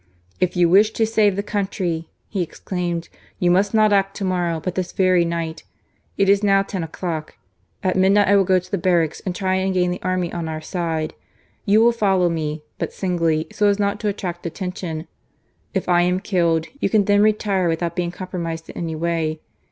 " If you wish to save the country,'* he exclaimed, *' you must not act to morrow, but this very night. It is now ten o'clock. At midnight I will go to the barracks and try and gain the army on our side. You will follow me, but singly, so as not to attract attention. If I am killed, you can then retire with out being compromised in any way.